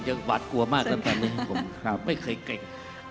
ยังบาดกลัวมากแล้วไม่เคยเกร็ง